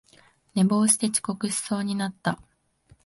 寝坊して遅刻しそうになった